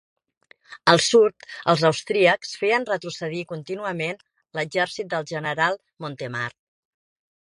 Al sud, els austríacs feien retrocedir contínuament l'exèrcit del general Montemar.